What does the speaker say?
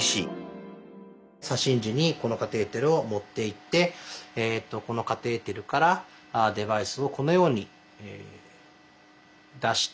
左心耳にこのカテーテルを持っていってこのカテーテルからデバイスをこのように出して。